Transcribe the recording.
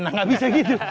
nah gak bisa gitu